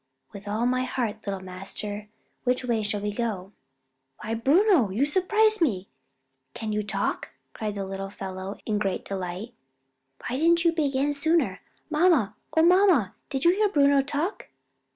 "With all my heart, little master; which way shall we go?" "Why, Bruno, you s'prise me! can you talk?" cried the little fellow in great delight. "Why didn't you begin sooner? Mamma, oh mamma, did you hear Bruno talk?"